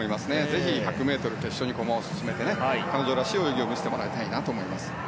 ぜひ１００ｍ決勝に駒を進めて彼女らしい泳ぎを見せてもらいたいなと思います。